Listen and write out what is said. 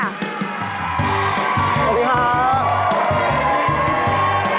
สวัสดีครับ